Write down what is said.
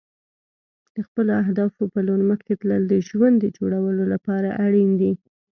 د خپلو اهدافو په لور مخکې تلل د ژوند د جوړولو لپاره اړین دي.